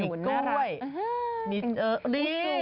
นี่กล้วยนี่ดูสุด